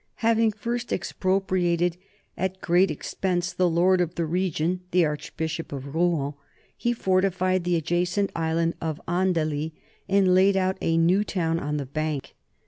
Having first expropriated at great expense the lord of the region, the archbishop of Rouen, he fortified the adjacent island of Andeli and laid out a new town on the bank.